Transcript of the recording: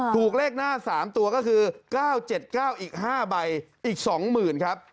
ถูกเลขหน้า๓ตัวก็คือ๙๗๙อีก๕ใบอีก๒๐๐๐ครับ